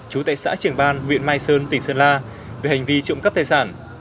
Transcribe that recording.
chú tại xã trưởng ban huyện mai sơn tỉnh sơn la về hành vi trộm cấp tài sản